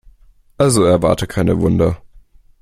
Also erwarte keine Wunder.